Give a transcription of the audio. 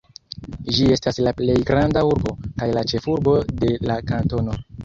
Ĝi estas la plej granda urbo, kaj la ĉefurbo de la kantono.